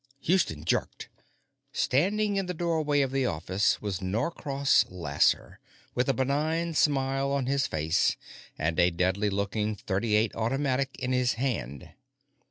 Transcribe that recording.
Houston jerked. Standing in the doorway of the office was Norcross Lasser, with a benign smile on his face and a deadly looking .38 automatic in his hand.